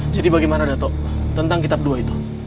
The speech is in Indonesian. jadi bagaimana dato tentang kitab dua itu